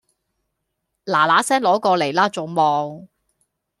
嗱嗱聲攞過黎啦仲望